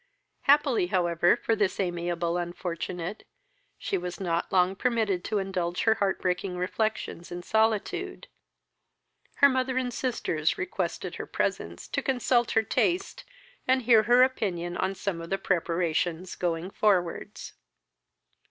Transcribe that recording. Happily however for this amiable unfortunate, she was not long permitted to indulge her heart breaking reflections in solitude. Her mother and sisters requested her presence to consult her taste, and hear her opinion on some of the preparations going forwards.